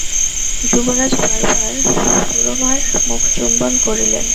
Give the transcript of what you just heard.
যুবরাজ বার বার সুরমার মুখচুম্বন করিলেন।